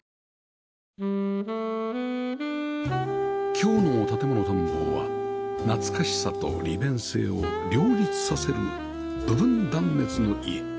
今日の『建もの探訪』は懐かしさと利便性を両立させる部分断熱の家